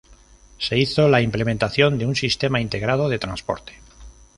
Se hizo la implementación de un Sistema Integrado de Transporte.